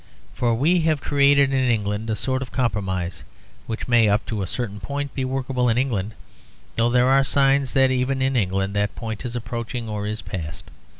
For we have created in England a sort of compromise which may up to a certain point be workable in England; though there are signs that even in England that point is approaching or is past.